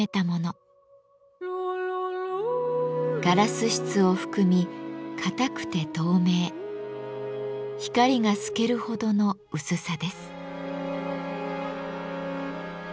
ガラス質を含み硬くて透明光が透けるほどの薄さです。